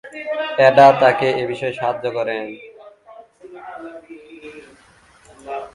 Ada তাকে এ বিষয়ে সাহায্য করেন।